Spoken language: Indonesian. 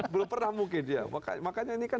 belum pernah mungkin dia makanya ini kan